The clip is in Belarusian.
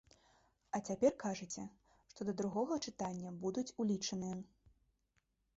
А цяпер кажаце, што да другога чытання будуць улічаныя.